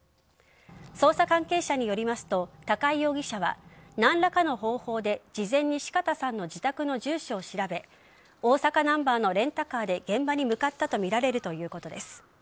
捜査関係者によりますと高井容疑者は何らかの方法で事前に四方さんの自宅の住所を調べ大阪ナンバーのレンタカーで現場に向かったとみられるということです。